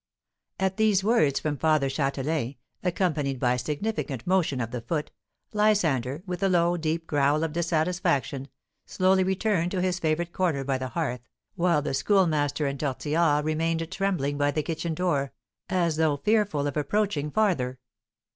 At these words from Father Châtelain, accompanied by a significant motion of the foot, Lysander, with a low, deep growl of dissatisfaction, slowly returned to his favourite corner by the hearth, while the Schoolmaster and Tortillard remained trembling by the kitchen door, as though fearful of approaching farther.